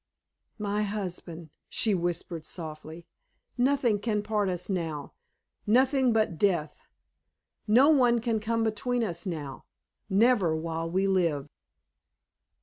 "My husband!" she whispered, softly. "Nothing can part us now nothing but death! No one can come between us now never while we live!"